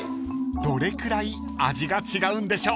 ［どれくらい味が違うんでしょう？］